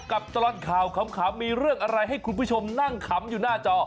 ตลอดข่าวขำมีเรื่องอะไรให้คุณผู้ชมนั่งขำอยู่หน้าจอ